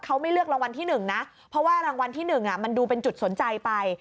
เขาไม่เลือกรางวัลที่๑นะเพราะว่ารางวัลที่๑มันดูเป็นจุดสนใจไป